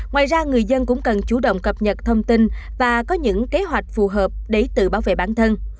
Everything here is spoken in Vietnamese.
ngoài ra người dân cũng cần chủ động cập nhật thông tin và có những kế hoạch phù hợp để tự bảo vệ bản thân